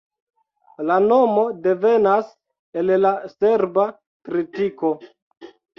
La nomo devenas el la serba tritiko.